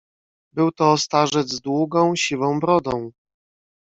"Był to starzec z długą, siwą brodą."